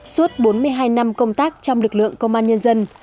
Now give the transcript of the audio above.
suốt bốn mươi hai năm công tác trong lực lượng công an nhân dân